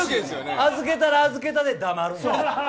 預けたら預けたで黙る。